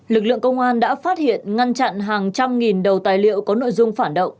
lực lượng công an đã phát hiện ngăn chặn hàng trăm nghìn đầu tài liệu có nội dung phản động